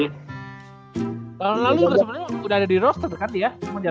tahun lalu sebenernya udah ada di roster kan dia